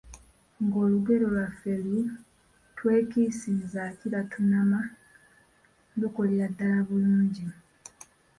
Ng'olugero lwaffe, lu "Twekisize akira tunamma", lukolera ddala bulungi.